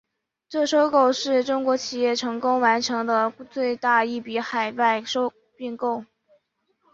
这次收购是中国企业成功完成的最大一笔海外并购。